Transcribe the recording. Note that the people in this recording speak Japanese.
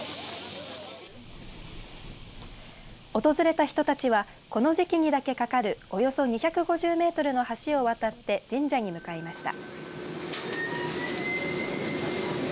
訪れた人たちはこの時期にだけかかるおよそ２５０メートルの橋を渡って神社に向かいました。